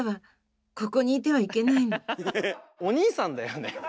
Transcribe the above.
「お兄さん」だよね？